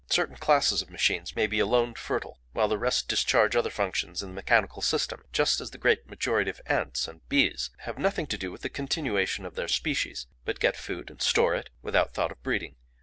Certain classes of machines may be alone fertile, while the rest discharge other functions in the mechanical system, just as the great majority of ants and bees have nothing to do with the continuation of their species, but get food and store it, without thought of breeding.